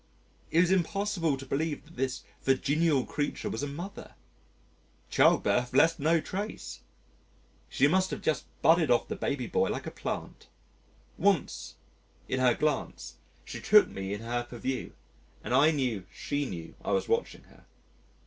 It was impossible to believe that this virginal creature was a mother childbirth left no trace. She must have just budded off the baby boy like a plant. Once, in her glance, she took me in her purview, and I knew she knew I was watching her.